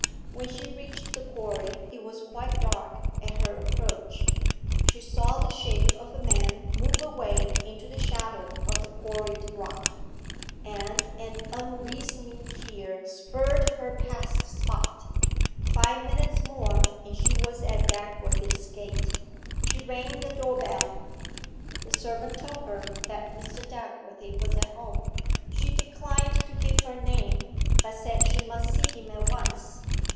When she reached the quarry it was quite dark at her approach she saw the shape of a man move away into the shadow of the quarried rock, and an unreasoning fear spurred her past the spot. Five minutes more and she was at Dagworthy's gate. She rang the door bell. The servant told her that Mr. Dagworthy was at home; she declined to give her name, but said she must see him at once.